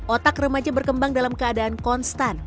otak remaja berkembang dalam keadaan konstan